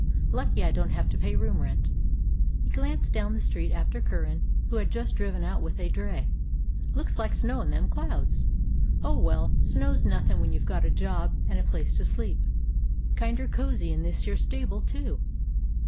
Lucky I don't have to pay room rent." He glanced down the street after Curran, who had just driven out with a dray. "Looks like snow in them clouds. Oh, well, snow 's nothin' when you 've got a job and a place to sleep. Kinder cozy in this here stable, too."